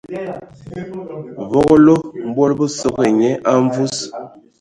Vogolo mbol bə sogo ai nye a mvus.